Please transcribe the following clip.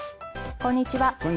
こんにちは。